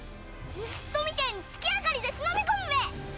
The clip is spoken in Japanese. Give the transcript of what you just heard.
盗っ人みてぇに月明かりで忍び込むべ！